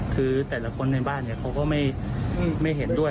คือแต่ละคนในบ้านเขาก็ไม่เห็นด้วย